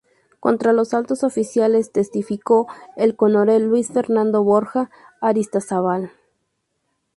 Contra los altos oficiales testificó el coronel Luis Fernando Borja Aristizábal.